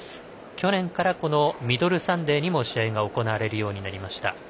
去年からミドルサンデーにも試合が行われるようになりました。